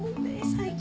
最近。